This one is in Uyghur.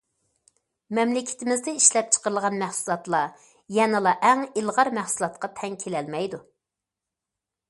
مەملىكىتىمىزدە ئىشلەپچىقىرىلغان مەھسۇلاتلار يەنىلا ئەڭ ئىلغار مەھسۇلاتقا تەڭ كېلەلمەيدۇ.